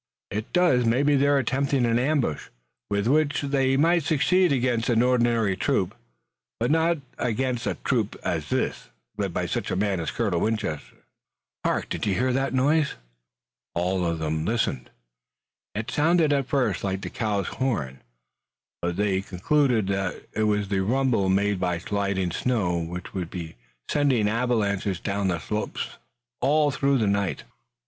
"It does. Maybe they're attempting an ambush, with which they might succeed against an ordinary troop, but not against such a troop as this, led by such a man as Colonel Winchester. Hark, did you hear that noise?" All of them listened. It sounded at first like the cow's horn, but they concluded that it was the rumble, made by sliding snow, which would be sending avalanches down the slopes all through the night.